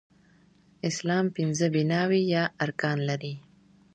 اسلام پنځه بناوې يا ارکان لري